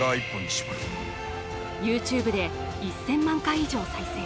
ＹｏｕＴｕｂｅで１０００万回以上再生。